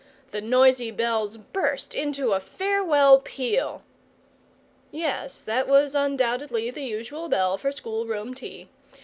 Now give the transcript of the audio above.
The noisy bells burst into a farewell peal Yes, that was undoubtedly the usual bell for school room tea.